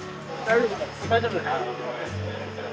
大丈夫です。